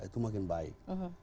itu makin baik